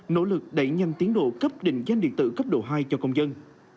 nỗ lực đẩy nhanh tiến độ cấp định danh điện tử cấp độ hai cho công dân